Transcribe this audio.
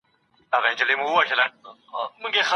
علامه رشاد خپل ژوند د علم او ادب په خدمت کې تېر کړ.